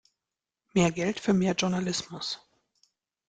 Mehr Geld für mehr Journalismus!